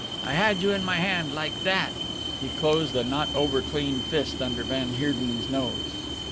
I had you in my hand like that!" He closed a not over clean fist under van Heerden's nose.